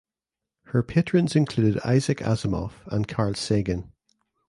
Her patrons included Isaac Asimov and Carl Sagan.